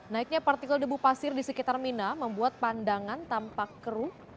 naiknya partikel debu pasir di sekitar mina membuat pandangan tampak keruh